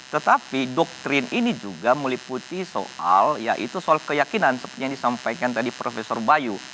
tetapi doktrin ini juga meliputi soal yaitu soal keyakinan seperti yang disampaikan tadi profesor bayu